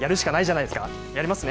やりますね！